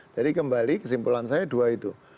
kembali kesimpulan saya dua itu